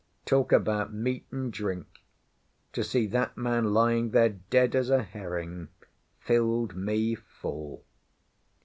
Talk about meat and drink! To see that man lying there dead as a herring filled me full.